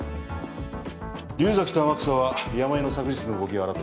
竜崎と天草は山井の昨日の動きを洗ってくれ。